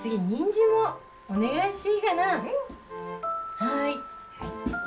はい。